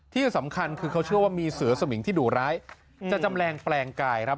ที่สำคัญคือเขาเชื่อว่ามีเสือสมิงที่ดุร้ายจะจำแรงแปลงกายครับ